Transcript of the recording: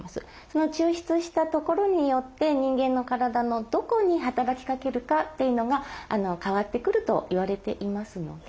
その抽出したところによって人間の体のどこに働きかけるかというのが変わってくると言われていますので。